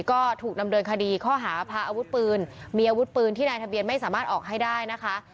ก็ถูกดำเนินคดีข้อหาพาอาวุธปืนมีอาวุธปืนที่นายทะเบียนไม่สามารถออกให้ได้นะคะ